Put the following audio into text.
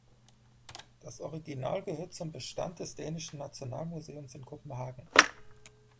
Das Original gehört zum Bestand des Dänischen Nationalmuseums in Kopenhagen.